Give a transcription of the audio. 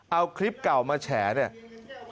เอาคลิปเก่ามาแฉเนี่ย